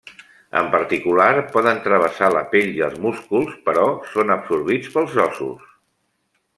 En particular, poden travessar la pell i els músculs però són absorbits pels ossos.